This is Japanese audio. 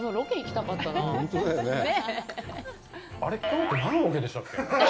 あれ、きょうって何のロケでしたっけ。